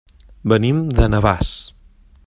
Venim de Navàs.